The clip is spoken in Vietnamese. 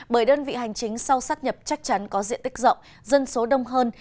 bởi đơn vị hành chính sau sát nhập chắc chắn có diện tích rộng dân số đông hơn